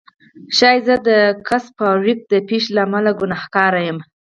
شاید زه د ګس فارویک د پیښې له امله ګناهګار یم